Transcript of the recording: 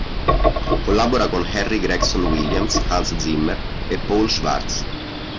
Collabora con Harry Gregson-Williams, Hans Zimmer e Paul Schwartz.